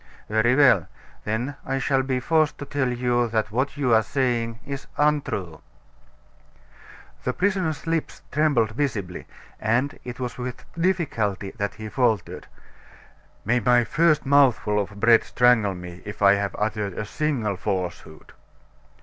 "Very well; then I shall be forced to tell you that what you are saying is untrue." The prisoner's lips trembled visibly, and it was with difficulty that he faltered: "May my first mouthful of bread strangle me, if I have uttered a single falsehood!"